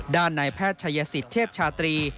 ด้านในแพทย์ชายสิทธิเชฟชาตรี